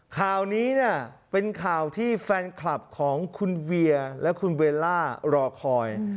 ข่าวนี้เนี่ยเป็นข่าวที่แฟนคลับของคุณเวียและคุณเบลล่ารอคอย